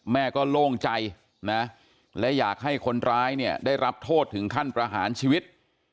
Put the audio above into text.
แม่ก็โล่งใจนะและอยากให้คนร้ายเนี่ยได้รับโทษถึงขั้นประหารชีวิต